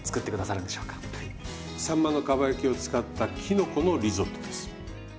さんまのかば焼きを使ったきのこのリゾットです。